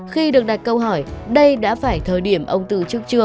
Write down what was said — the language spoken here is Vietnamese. khi được đặt câu hỏi đây đã phải thời điểm ông từ trước chưa